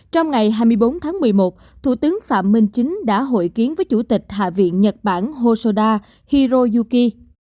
trong ngày hai mươi bốn tháng một mươi một thủ tướng phạm minh chính đã hội kiến với chủ tịch hạ viện nhật bản hoda hiroyuki